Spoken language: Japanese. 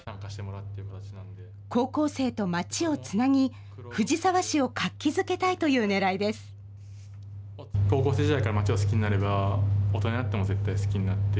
高校生と街をつなぎ、藤沢市を活気づけたいというねらいです。